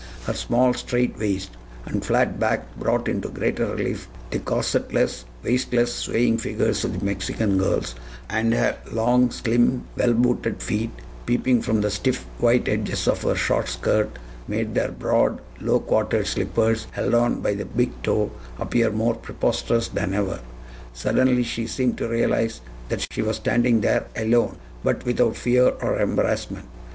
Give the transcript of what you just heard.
Her small, straight waist and flat back brought into greater relief the corsetless, waistless, swaying figures of the Mexican girls, and her long, slim, well booted feet, peeping from the stiff, white edges of her short skirt, made their broad, low quartered slippers, held on by the big toe, appear more preposterous than ever. Suddenly she seemed to realize that she was standing there alone, but without fear or embarrassment.